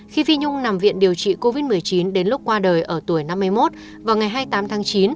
khi phi nhung nằm viện điều trị covid một mươi chín đến lúc qua đời ở tuổi năm mươi một vào ngày hai mươi tám tháng chín